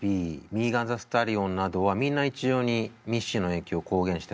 ミーガン・ザ・スタリオンなどはみんな一様にミッシーの影響を公言してます。